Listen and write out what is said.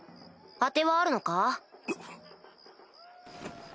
当てはあるのか？